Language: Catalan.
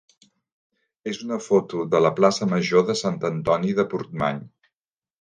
és una foto de la plaça major de Sant Antoni de Portmany.